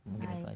mungkin itu aja